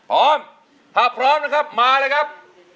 พร้อมถ้าพร้อมนะครับมาเลยครับ